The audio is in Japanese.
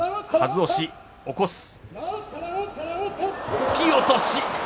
突き落とし。